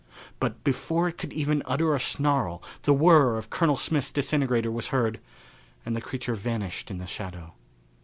But before it could even utter a snarl the whirr of Colonel Smith's disintegrator was heard and the creature vanished in the shadow.